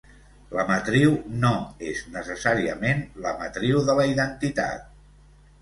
La matriu "no" és necessàriament la matriu de la identitat.